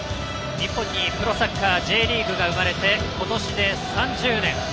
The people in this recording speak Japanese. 日本にプロサッカーＪリーグが生まれて今年で３０年。